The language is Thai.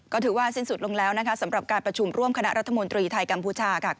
ก็ถือว่าสิ้นสุดลงแล้วนะคะสำหรับการประชุมร่วมคณะรัฐมนตรีไทยกัมพูชาค่ะ